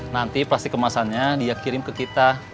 nanti plastik kemasannya dia kirim ke kita